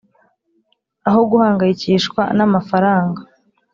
Aho guhangayikishwa n amafaranga